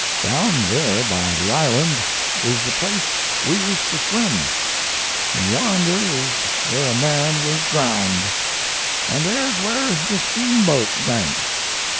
Down there by the island is the place we used to swim, and yonder is where a man was drowned, and there's where the steamboat sank.